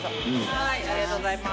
はーいありがとうございます。